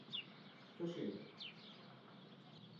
Ποιος είναι;